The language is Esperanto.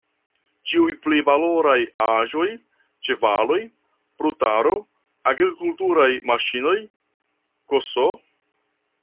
Ĉiuj pli valoraj aĵoj, ĉevaloj, brutaro, agrikulturaj maŝinoj ks.